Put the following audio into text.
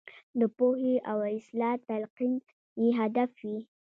د پوهې او اصلاح تلقین یې هدف وي.